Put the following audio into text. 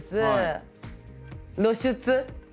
露出？